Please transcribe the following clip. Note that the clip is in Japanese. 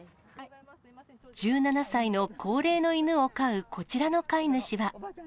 １７歳の高齢の犬を飼うこちらの飼い主は。